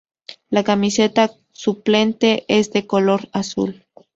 La camiseta suplente es de color azul.